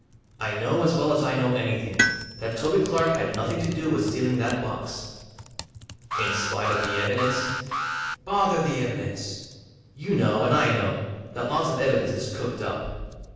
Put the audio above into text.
I know, as well as I know anything, that Toby Clark had nothing to do with stealing that box." "In spite of the evidence?" "Bother the evidence! You know, an' I know, that lots of evidence is cooked up."